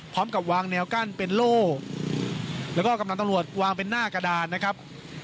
พร้อมกับวางแนวกั้นเป็นโล่แล้วก็กำลังตำรวจวางเป็นหน้ากระดานนะครับ